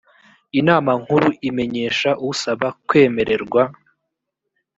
inama nkuru imenyesha usaba kwemererwa